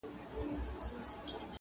چاویل چي بم ښایسته دی ښه مرغه دی!!